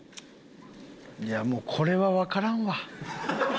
いやもうこれはわからんわ。